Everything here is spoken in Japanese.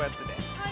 はい。